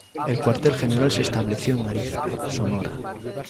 El cuartel general se estableció en Arizpe, Sonora.